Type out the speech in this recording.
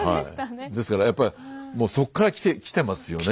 ですからやっぱりもうそっからきてますよね。